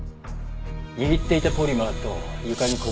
握っていたポリマーと床にこぼれた水。